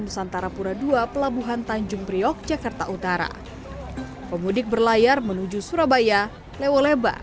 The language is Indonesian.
nusantara pura ii pelabuhan tanjung priok jakarta utara pemudik berlayar menuju surabaya lewo leba